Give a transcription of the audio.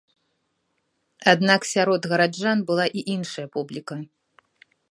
Аднак сярод гараджан была і іншая публіка.